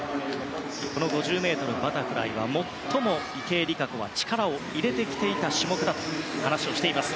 この５０ｍバタフライは最も池江璃花子が力を入れてきていた種目だと話をしています。